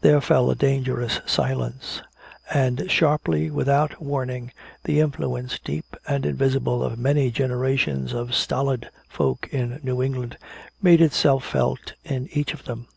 There fell a dangerous silence. And sharply without warning, the influence, deep and invisible, of many generations of stolid folk in New England made itself felt in each of them.